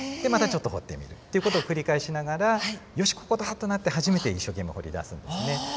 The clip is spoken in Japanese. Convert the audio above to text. またちょっと掘ってみるっていう事を繰り返しながら「よしここだ」となって初めて一生懸命掘り出すんですね。